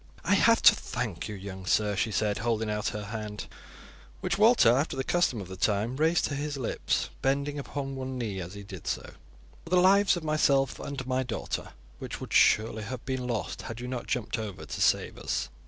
"I have to thank you, young sir," she said, holding out her hand, which Walter, after the custom of the time, raised to his lips, bending upon one knee as he did so, "for the lives of myself and my daughter, which would surely have been lost had you not jumped over to save us.